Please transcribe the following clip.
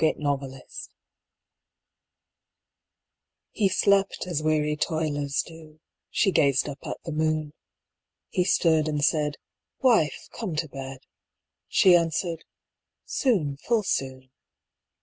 REINCARNATION He slept as weary toilers do, She gazed up at the moon. He stirred and said, "Wife, come to bed"; She answered, "Soon, full soon."